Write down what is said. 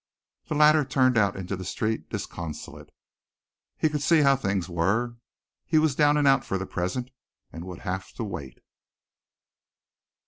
The latter turned out into the street disconsolate. He could see how things were. He was down and out for the present and would have to wait.